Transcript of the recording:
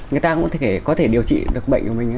người ta cũng có thể điều trị được bệnh của mình